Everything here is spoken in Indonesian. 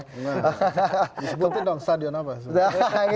disebutin dong stadion apa